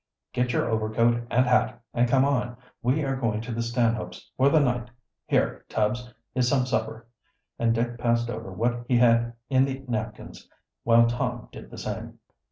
"Get your overcoat and hat, and come on. We are going to the Stanhopes for the night. Here, Tubbs, is some supper," and Dick passed over what he had in the napkins, while Tom did the same.